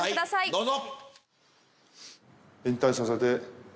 どうぞ！